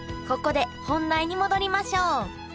ここで本題に戻りましょう。